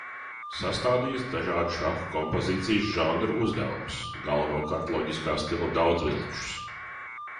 Sastādījis dažādu šaha kompozīcijas žanru uzdevumus, galvenokārt loģiskā stila daudzvilčus.